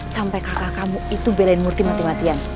sampai kakak kamu itu belain murti mati matian